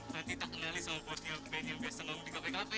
nanti tak kenalin sama body art band yang biasa ngomong di kafe kafe